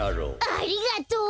ありがとう！